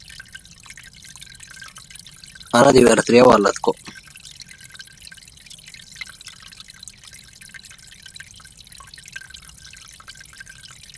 How will people get information in the future in your opinion?